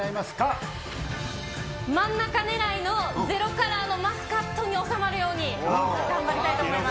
真ん中狙いの、ｚｅｒｏカラーのマスカットに収まるように、頑張りたいと思いま